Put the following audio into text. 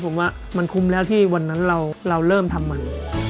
ผมว่ามันคุ้มแล้วที่วันนั้นเราเริ่มทำใหม่